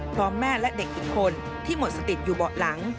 แม่และเด็กอีกคนที่หมดสติอยู่เบาะหลัง